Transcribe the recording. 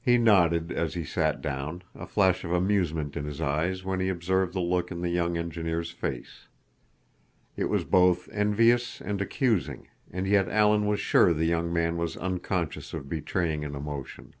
He nodded as he sat down, a flash of amusement in his eyes when he observed the look in the young engineer's face. It was both envious and accusing, and yet Alan was sure the young man was unconscious of betraying an emotion.